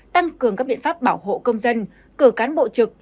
tăng cường các biện pháp bảo hộ công dân cử cán bộ trực